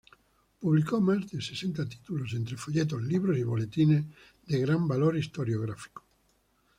Publicó más de sesenta títulos, entre folletos, libros y boletines de gran valor historiográfico.